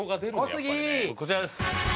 こちらです。